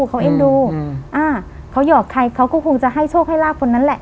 เขาเอ็นดูเขาหอกใครเขาก็คงจะให้โชคให้ลาบคนนั้นแหละ